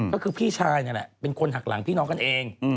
ก็คือพี่ชายนั่นแหละเป็นคนหักหลังพี่น้องกันเอง